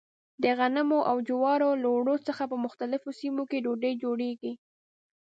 د غنمو او جوارو له اوړو څخه په مختلفو سیمو کې ډوډۍ جوړېږي.